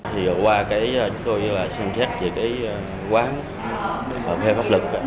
thì hồi qua chúng tôi xin chết về quán cà phê pháp luật